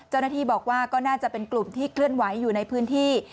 เจ้าหน้าที่บอกว่าก็น่าจะเป็นกลุ่มที่เคลื่อนไหวอยู่ในพื้นที่